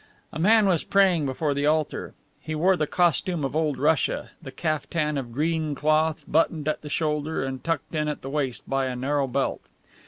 A man was praying before the altar. He wore the costume of old Russia, the caftan of green cloth, buttoned at the shoulder and tucked in at the waist by a narrow belt.